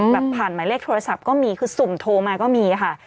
ผ่านหมายเลขโทรศัพท์ก็มีคือสุ่มโทรมาก็มีค่ะ